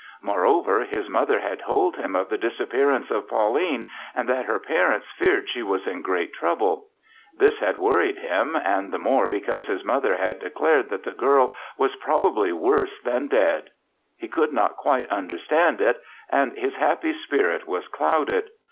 Moreover, his mother had told him of the disappearance of Pauline and that her parents feared she was in great trouble. This had worried him, and the more because his mother had declared that the girl was probably worse than dead. He could not quite understand it and his happy spirit was clouded.